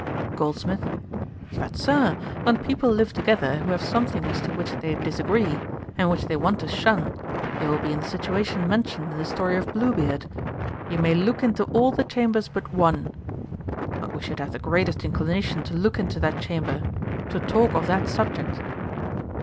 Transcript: GOLDSMITH. 'But, Sir, when people live together who have something as to which they disagree, and which they want to shun, they will be in the situation mentioned in the story of Bluebeard: "You may look into all the chambers but one." But we should have the greatest inclination to look into that chamber, to talk of that subject.'